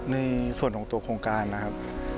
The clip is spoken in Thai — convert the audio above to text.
ในส่วนของตัวโครงการนะครับ